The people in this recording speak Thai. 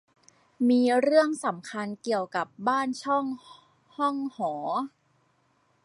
มีเรื่องสำคัญเกี่ยวกับบ้านช่องห้องหอ